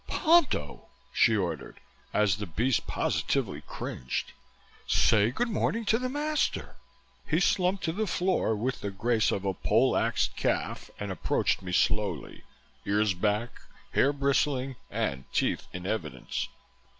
"Ponto!" she ordered, as the beast positively cringed. "Say good morning to the master!" He slumped to the floor with the grace of a pole axed calf and approached me slowly, ears back, hair bristling and teeth in evidence.